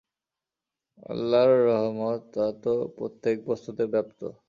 আমার রহমত তা তো প্রত্যেক বস্তুতে ব্যাপ্ত।